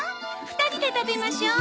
２人で食べましょう。